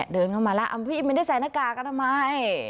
เดินเข้ามาแล้วพี่ไม่ได้ใส่หน้ากากอนามัย